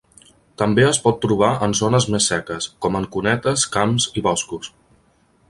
També es pot trobar en zones més seques, com en cunetes, camps i boscos.